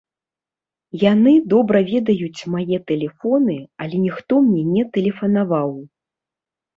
Яны добра ведаюць мае тэлефоны, але ніхто мне не тэлефанаваў.